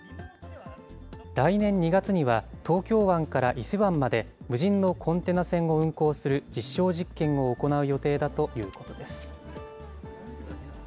来年２月には、東京湾から伊勢湾まで、無人のコンテナ船を運航する実証実験を行う予定だということです。